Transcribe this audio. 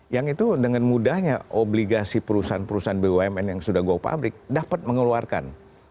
yang itu dengan mudahnya obligasi perusahaan perusahaan bumn yang sudah go public dapat mengeluarkan